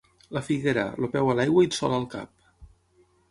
La figuera, el peu a l'aigua i el sol al cap.